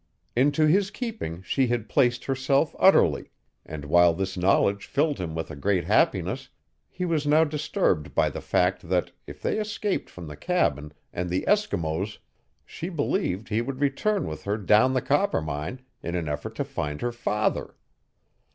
Into his keeping she had placed herself utterly, and while this knowledge filled him with a great happiness he was now disturbed by the fact that, if they escaped from the cabin and the Eskimos, she believed he would return with her down the Coppermine in an effort to find her father.